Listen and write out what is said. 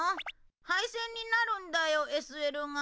廃線になるんだよＳＬが。